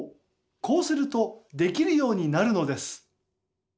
こうするとできるようになるのです。